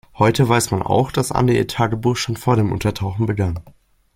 Heute weiß man auch, dass Anne ihr Tagebuch schon vor dem Untertauchen begann.